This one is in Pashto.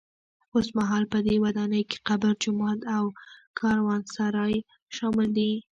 اوسمهال په دې ودانۍ کې قبر، جومات او کاروانسرای شامل دي.